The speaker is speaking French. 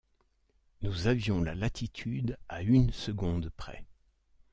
Nous avions la latitude à une seconde près.